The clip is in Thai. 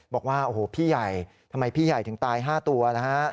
บอกว่าโอ้โหพี่ใหญ่ทำไมพี่ใหญ่ถึงตาย๕ตัวนะฮะ